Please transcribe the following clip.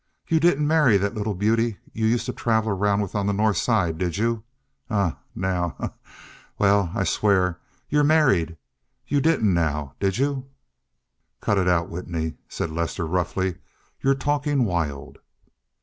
You didn't marry that little beauty you used to travel around with on the North Side, did you? Eh, now! Ha, ha! Well, I swear. You married! You didn't, now, did you?" "Cut it out, Whitney," said Lester roughly. "You're talking wild."